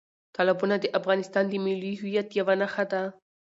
تالابونه د افغانستان د ملي هویت یوه نښه ده.